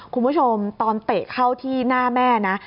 คุณผู้ชมตอนเตะเข้าที่หน้าแม่นะ